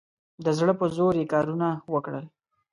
د زړه په زور یې کارونه وکړل.